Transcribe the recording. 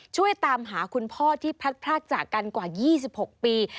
ช่วยตามหาคุณพ่อที่พลัดพลากจากกันกว่า๒๖ปี